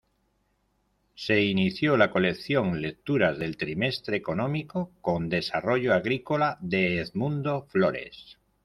Se inició la colección Lecturas del Trimestre Económico, con "Desarrollo Agrícola", de Edmundo Flores.